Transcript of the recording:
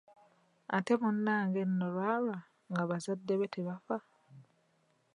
Ate munnange nno lwalwa nga bazadde be tebafa!